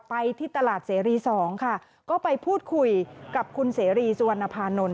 ไปที่ตลาดเสรีสองค่ะก็ไปพูดคุยกับคุณเสรีสุวรรณภานนท์